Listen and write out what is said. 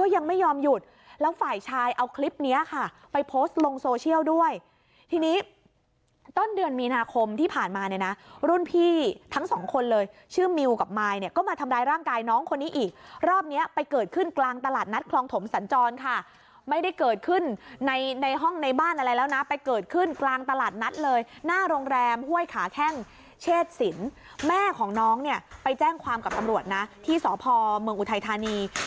ก็ยังไม่ยอมหยุดแล้วฝ่ายชายเอาคลิปเนี้ยค่ะไปโพสต์ลงโซเชียลด้วยทีนี้ต้นเดือนมีนาคมที่ผ่านมาเนี่ยนะรุ่นพี่ทั้งสองคนเลยชื่อมิวกับมายเนี่ยก็มาทำร้ายร่างกายน้องคนนี้อีกรอบเนี้ยไปเกิดขึ้นกลางตลาดนัดคลองถมสรรจรค่ะไม่ได้เกิดขึ้นในในห้องในบ้านอะไรแล้วน่ะไปเกิดขึ้นกลางตลาดนัดเลยหน